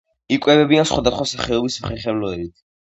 იკვებებიან სხვადასხვა სახეობის უხერხემლოებით.